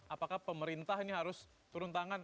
apakah pemerintah ini harus turun tangan